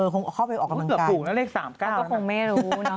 คงเข้าไปออกกำลังกายนะครับนะครับเกือบถูกนะเลข๓๙